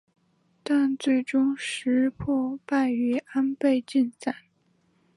但最终石破败于安倍晋三。